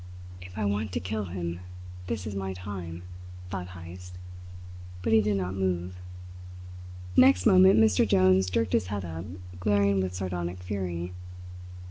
"If I want to kill him, this is my time," thought Heyst; but he did not move. Next moment Mr. Jones jerked his head up, glaring with sardonic fury.